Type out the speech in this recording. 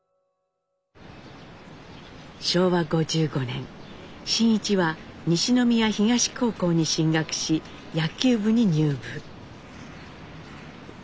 昭和５５年真一は西宮東高校に進学し野球部に入部。